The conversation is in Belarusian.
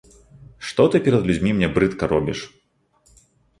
Што ты перад людзьмі мне брыдка робіш?